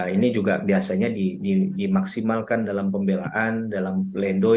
ini juga biasanya dimaksimalkan dalam pembelaan dalam pledoi